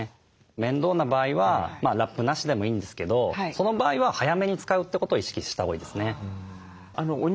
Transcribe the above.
面倒な場合はラップなしでもいいんですけどその場合は早めに使うってことを意識したほうがいいですね。